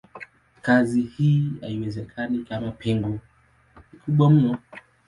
Kazi hii haiwezekani kama pengo ni kubwa mno.